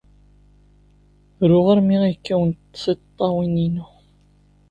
Ruɣ armi ay kkawent tiṭṭawin-inu.